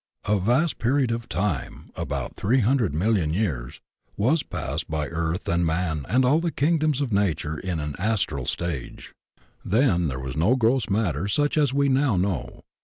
A vast period of time, about 300,000,000 years, was passed by earth and man and all the kingdoms of nature in an astral stage. Then there was no gross matter such as we now know.